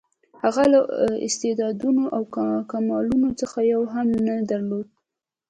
هغه له استعدادونو او کمالونو څخه یو هم نه درلود.